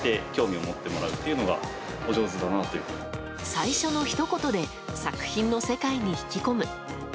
最初のひと言で作品の世界に引き込む。